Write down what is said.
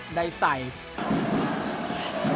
สวัสดีครับ